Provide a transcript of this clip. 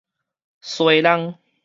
疏櫳